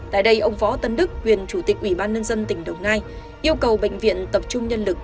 tại đây ông võ tấn đức quyền chủ tịch ubnd tỉnh đồng nai yêu cầu bệnh viện tập trung nhân lực